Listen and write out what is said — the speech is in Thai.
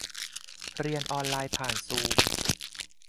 เรียนออนไลน์ผ่านซูม